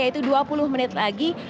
yaitu dua puluh menit lagi